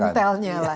maka intelnya lah